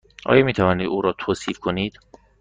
آیا می توانید او را توصیف کنید؟